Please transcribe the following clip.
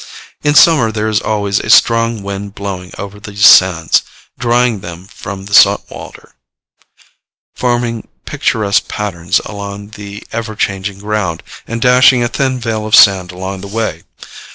In summer there is always a strong wind blowing over these sands, drying them from the salt water, forming picturesque patterns along the ever changing ground, and dashing a thin veil of sand along the way.